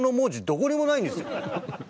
どこにもないんですよ。